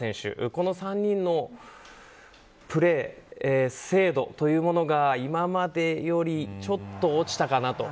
この３人のプレー精度というものが今までよりちょっと落ちたかなと。